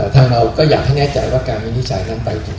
ทางเราก็อยากให้แน่ใจว่าการวินิจฉัยนั้นไปถูก